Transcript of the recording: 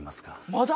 まだ？